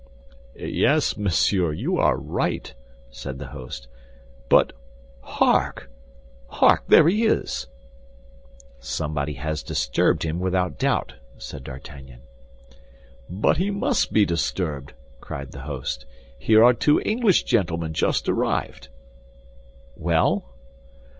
"Yes, monsieur, you are right," said the host. "But, hark, hark! There he is!" "Somebody has disturbed him, without doubt," said D'Artagnan. "But he must be disturbed," cried the host; "Here are two English gentlemen just arrived." "Well?"